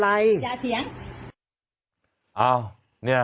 จัดกระบวนพร้อมกัน